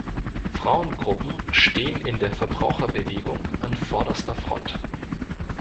Frauengruppen stehen in der Verbraucherbewegung an vorderster Front.